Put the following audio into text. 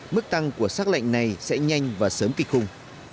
mức tăng của xác lệnh này sẽ nhanh và sớm kịch khung